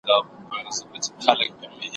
که څه هم په عمر کې تر ټولو کشر وی.